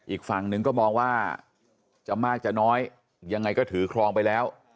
อีกฝั่งหนึ่งก็มองว่าจะมากจะน้อยยังไงก็ถือครองไปแล้ว